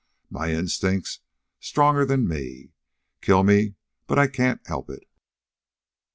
My instinct's stronger'n me. Kill me, but I can't help it."